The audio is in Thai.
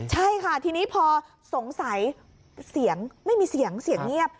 ใช่ค่ะทีนี้พอสงสัยเสียงไม่มีเสียงเสียงเงียบ